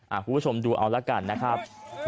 คุณผู้ชมดูเอาละกันนะครับ